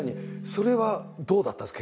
それはどうだったんです？